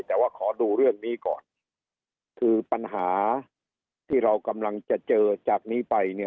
แต่ว่าขอดูเรื่องนี้ก่อนคือปัญหาที่เรากำลังจะเจอจากนี้ไปเนี่ย